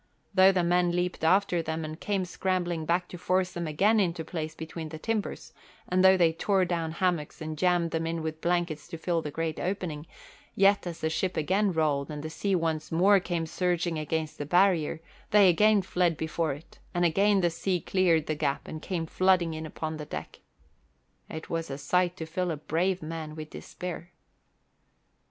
Though the men leaped after them and came scrambling back to force them again into place between the timbers, and though they tore down hammocks and jammed them in with the blankets to fill the great opening, yet as the ship again rolled and the sea once more came surging against the barrier, they again fled before it, and again the sea cleared the gap and came flooding in upon the deck. It was a sight to fill a brave man with despair.